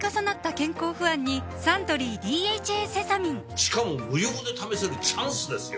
しかも無料で試せるチャンスですよ